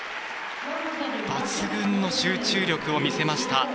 抜群の集中力を見せました。